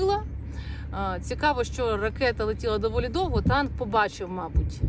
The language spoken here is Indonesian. menarik bahwa raketnya terbang cukup lama tank memaksa